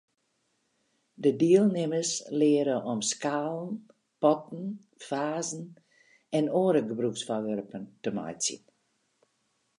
De dielnimmers leare om skalen, potten, fazen en oare gebrûksfoarwerpen te meitsjen.